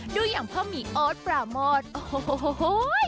ดูอย่างพ่อหมี่โอ๊ตประหมอดโอ้โหโหโหโห